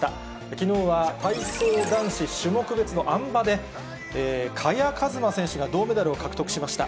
きのうは体操男子種目別のあん馬で、萱和磨選手が銅メダルを獲得しました。